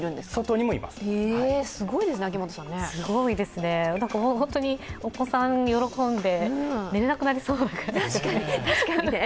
すごいですね、ホントにお子さん喜んで寝れなくなりそうですね。